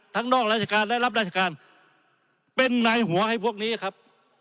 นอกราชการและรับราชการเป็นนายหัวให้พวกนี้ครับ